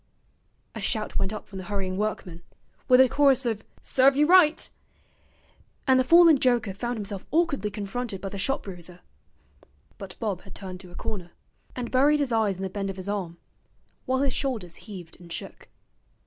A shout went up from the hurrying workmen, with a chorus of 'Serve ye right,' and the fallen joker found himself awkwardly confronted by the shop bruiser. But Bob had turned to a corner, and buried his eyes in the bend of his arm, while his shoulders heaved and shook.